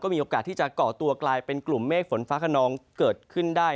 มีโอกาสที่จะก่อตัวกลายเป็นกลุ่มเมฆฝนฟ้าขนองเกิดขึ้นได้